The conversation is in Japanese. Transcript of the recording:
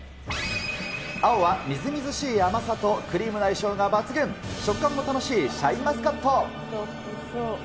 青はみずみずしい甘さとクリームの相性が抜群、食感も楽しいシャインマスカット。